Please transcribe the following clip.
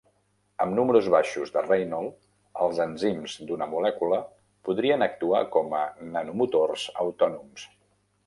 Amb números baixos de Reynold, els enzims d'una molècula podrien actuar com a nanomotors autònoms.